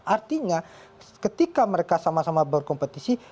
artinya ketika mereka sama sama berkompetisi